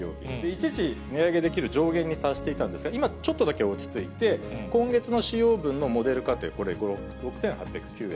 一時、値上げできる上限に達していたんですが、今、ちょっとだけ落ち着いて、今月の使用分のモデル家庭、これ、６８０９円。